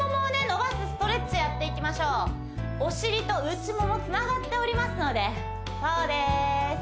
伸ばすストレッチやっていきましょうお尻と内ももつながっておりますのでそうです